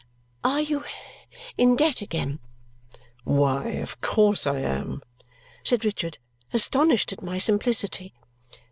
"Are you in debt again?" "Why, of course I am," said Richard, astonished at my simplicity.